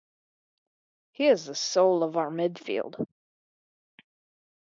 He is the soul of our midfield.